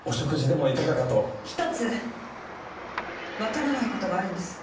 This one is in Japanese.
１つわからない事があるんです。